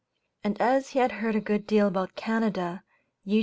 And as he had heard a good deal about Canada, U.